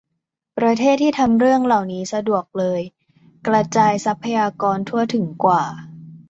ประเทศที่ทำเรื่องเหล่านี้สะดวกเลยกระจายทรัพยากรทั่วถึงกว่า ?